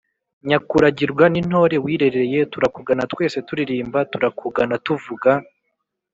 nyakugaragirwa n'intore wirereye turakugana twese turirimba ; turakugana tuvuga